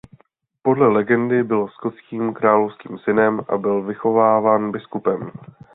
Podle legendy byl skotským královským synem a byl vychováván biskupem.